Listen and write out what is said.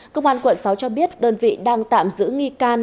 công an quận sáu cho biết đơn vị đang tạm giữ nghi can